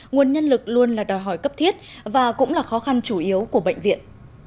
nguồn nhân lực luôn là đòi hỏi cấp thiết và cũng là khó khăn chủ yếu của bệnh viện